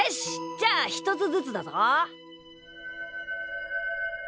じゃあ１つずつだぞ。